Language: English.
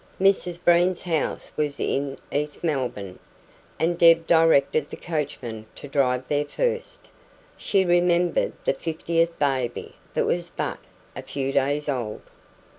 Mrs Breen's house was in East Melbourne, and Deb directed the coachman to drive there first. She remembered the fiftieth baby that was but a few days old.